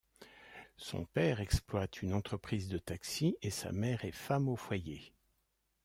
Son père exploite une entreprise de taxi et sa mère est femme au foyer.